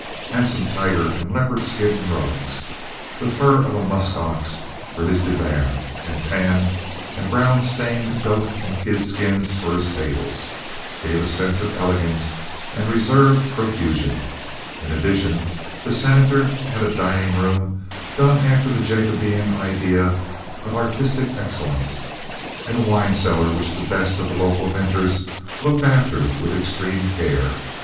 Handsome tiger and leopard skin rugs, the fur of a musk ox for his divan, and tanned and brown stained goat and kid skins for his tables, gave a sense of elegance and reserved profusion. In addition the Senator had a dining room done after the Jacobean idea of artistic excellence, and a wine cellar which the best of the local vintners looked after with extreme care.